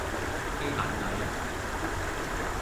雞蛋仔